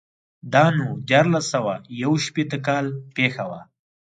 دا نو دیارلس سوه یو شپېتو کال پېښه وه.